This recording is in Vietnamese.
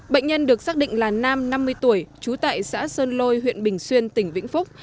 bệnh nhân được xác định là nam năm mươi tuổi trú tại xã sơn lôi huyện bình xuyên tỉnh vĩnh phúc